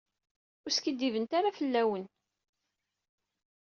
Ur skiddibent ara fell-awen.